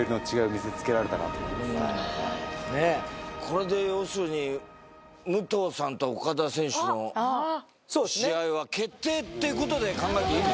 これで要するに武藤さんとオカダ選手の試合は決定っていう事で考えていいんでしょうか？